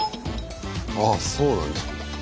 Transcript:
ああそうなんだ。